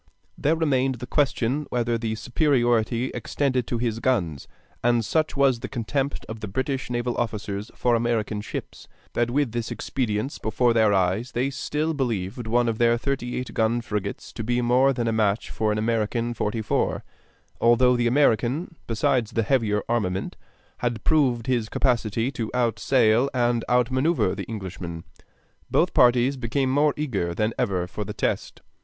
There remained the question whether the superiority extended to his guns; and such was the contempt of the British naval officers for American ships, that with this expedience before their eyes they still believed one of their thirty eight gun frigates to be more than a match for an American forty four, although the American, besides the heavier armament, had proved his capacity to outsail and out manoeuvre the Englishman. Both parties became more eager than ever for the test.